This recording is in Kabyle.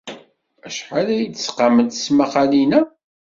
Acḥal ay d-sqament tesmaqqalin-a?